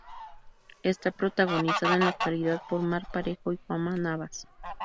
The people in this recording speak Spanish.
Está protagonizada en la actualidad por Marc Parejo y Juanma Navas.